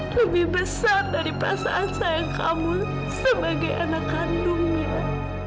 lebih besar dari perasaan sayang kamu sebagai anak kandungnya